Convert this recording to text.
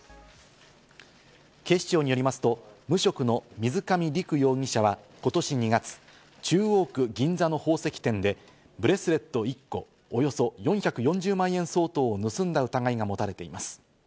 警視庁によりますと無職の水上陸容疑者は今年２月、中央区銀座の宝石店でブレスレット１個、およそ４４０万円相当を盗んだ疑いが持たれています。